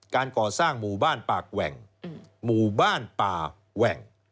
การก่อสร้างหมู่บ้านปากแหว่งหมู่บ้านป่าแหว่ง